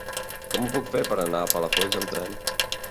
Com ho puc fer per anar a Palafolls amb tren?